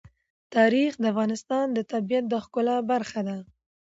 تاریخ د افغانستان د طبیعت د ښکلا برخه ده.